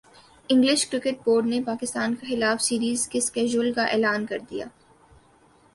English cricket board نے پاکستان کیخلاف series کے شیڈول کا اعلان کر دیا